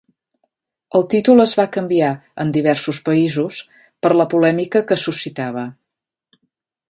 El títol es va canviar en diversos països per la polèmica que suscitava.